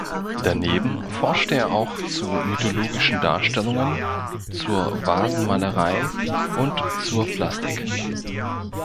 Daneben forschte er auch zu mythologischen Darstellungen, zur Vasenmalerei und zur Plastik.